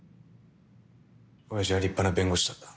親父は立派な弁護士だった。